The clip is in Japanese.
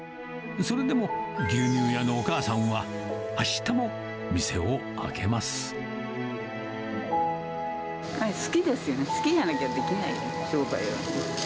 それでも、牛乳屋のお母さんは、好きですよね、好きじゃなきゃできない、商売は。